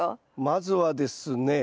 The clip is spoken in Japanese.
まずはですね